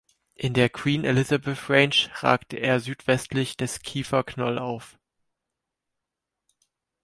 In der Queen Elizabeth Range ragt er südwestlich des Kieffer Knoll auf.